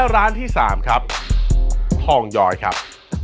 ร้านที่๓ครับทองยอยครับ